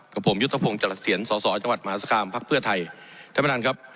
กับผมยุทธพงศ์เจฬภีรสอสอดจังหวัดมหาสการภักดิ์เพื่อไทยท่านประธานครับ